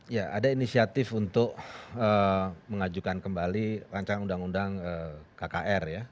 ya ada inisiatif untuk mengajukan kembali rancangan undang undang kkr ya